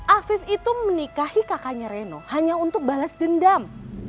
afif itu menikahi kakaknya reno hanya untuk balas dendam